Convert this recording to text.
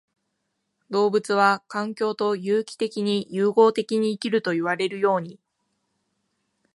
動物は環境と有機的に融合的に生きるといわれるように、